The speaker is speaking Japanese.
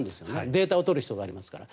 データを取る必要がありますから。